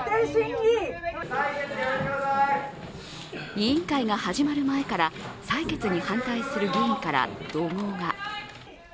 委員会が始まる前から採決に反対する議員から怒号が。